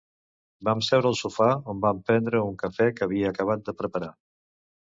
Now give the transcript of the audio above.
Vam seure al sofà on vam prendre un café que havia acabat de preparar.